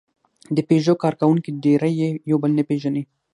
د پيژو کارکوونکي ډېری یې یو بل نه پېژني.